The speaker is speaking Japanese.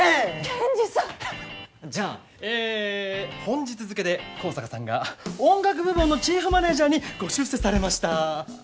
ケンジさんじゃあえー本日付で香坂さんが音楽部門のチーフマネージャーにご出世されました